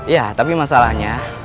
ya tapi masalahnya